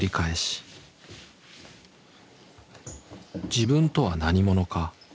「自分とは何者か？」